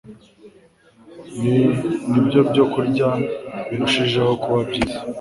ni byo byokurya birushijeho kuba byiza.